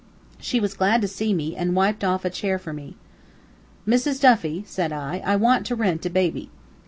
She was glad to see me, and wiped off a chair for me. "Mrs. Duffy," said I, "I want to rent a baby."